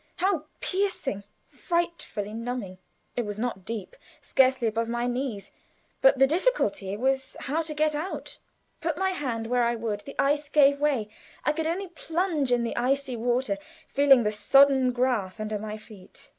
how piercing, frightful, numbing! It was not deep scarcely above my knees, but the difficulty was how to get out. Put my hand where I would the ice gave way. I could only plunge in the icy water, feeling the sodden grass under my feet.